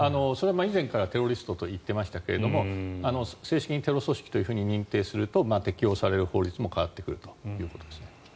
以前からテロリストと言っていましたが正式にテロ組織と認定すると適用される法律も変わってくるということですね。